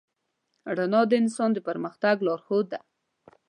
رڼا د انسان د پرمختګ لارښود ده.